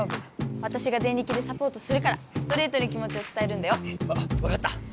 わたしがデンリキでサポートするからストレートに気もちをつたえるんだよ？わわかった！